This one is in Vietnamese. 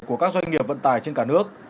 của các doanh nghiệp vận tải trên cả nước